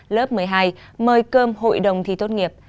lớp một mươi hai mời cơm hội đồng thi tốt nghiệp